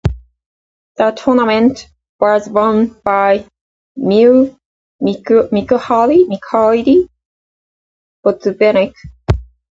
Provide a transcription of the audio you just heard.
The tournament was won by Mikhail Botvinnik.